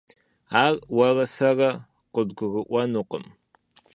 Ар уэрэ сэрэ къыдгурыӀуэнукъым.